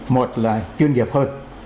một là chuyên nghiệp hơn